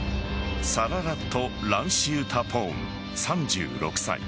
サララット・ランシウタポーン３６歳。